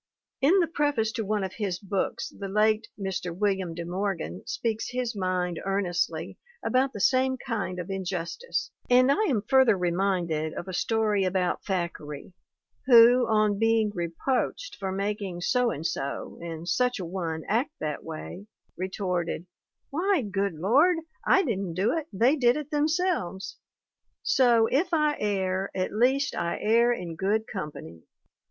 In the preface to one of his books the late Mr. William de Morgan speaks his mind earnestly about the same kind of injustice; and I am further reminded of a story about Thackeray, who, on being reproached for 'making So and So and Such a One act that way,' retorted : 'Why, Good Lord, / didn't do it. They did it themselves!' So, if I err, at least I err in good company.